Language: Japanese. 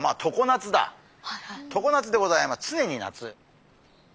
常夏でございます常に夏。